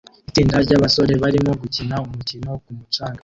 Itsinda ryabasore barimo gukina umukino ku mucanga